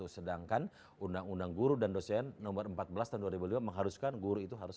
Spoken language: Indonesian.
sedangkan undang undang guru dan dosen nomor empat belas tahun dua ribu lima mengharuskan guru itu harus